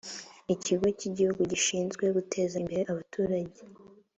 ikigo cy igihugu gishinzwe guteza imbere abaturage